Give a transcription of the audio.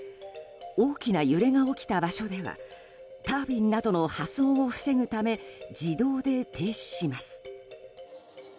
大きな揺れが起きた場所ではタービンなどの破損を防ぐため自動で停止します。